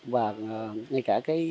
và ngay cả cái